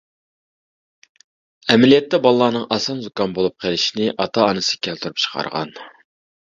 ئەمەلىيەتتە بالىلارنىڭ ئاسان زۇكام بولۇپ قېلىشىنى ئاتا-ئانىسى كەلتۈرۈپ چىقارغان.